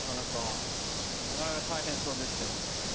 なかなか大変そうですけども。